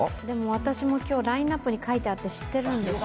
私も今日、ラインナップに書いてあって知ってるんです。